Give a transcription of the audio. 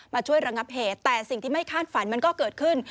ช่วยระงับเหตุแต่สิ่งที่ไม่คาดฝันมันก็เกิดขึ้น